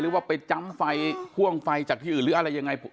ว่าไปจำไฟพ่วงไฟจากที่อื่นหรืออะไรยังไง